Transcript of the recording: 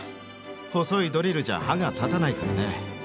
細いドリルじゃ歯が立たないからね。